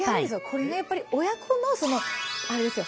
これねやっぱり親子のあれですよ